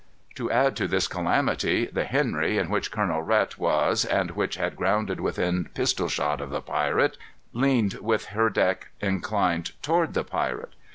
To add to this calamity, the Henry, in which Colonel Rhet was, and which had grounded within pistol shot of the pirate, leaned with her deck inclined toward the pirate.